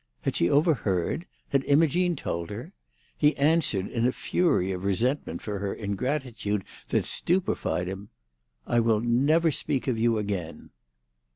Had she overheard? Had Imogene told her? He answered, in a fury of resentment for her ingratitude that stupefied him. "I will never speak of you again."